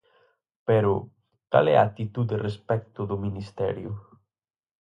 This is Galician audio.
Pero ¿cal é a actitude respecto do Ministerio?